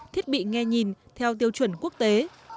thiết bị nghe nhìn theo tiêu chuẩn quốc tế